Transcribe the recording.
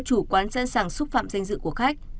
chủ quán sẵn sàng xúc phạm danh dự của khách